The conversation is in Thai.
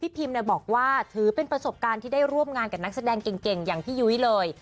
พิมบอกว่าถือเป็นประสบการณ์ที่ได้ร่วมงานกับนักแสดงเก่งอย่างพี่ยุ้ยเลย